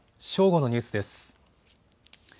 正午のニュースです。